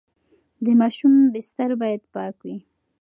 د ماشوم بستر باید پاک وي.